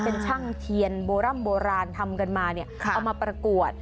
เป็นช่างเทียนโบร่ำโบราณทำกันมาเนี่ยเอามาประกวด